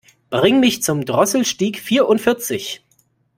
Bring mich zum Drosselstieg vierundvierzig.